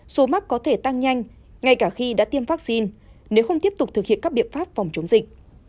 số mắc có thể tăng nhanh ngay cả khi đã tiêm vaccine nếu không tiếp tục thực hiện các biện pháp phòng chống dịch